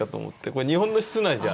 これ日本の室内じゃ。